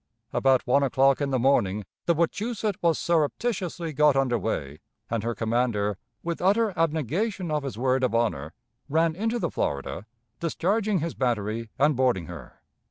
About one o'clock in the morning the Wachusett was surreptitiously got under way, and her commander, with utter abnegation of his word of honor, ran into the Florida, discharging his battery and boarding her.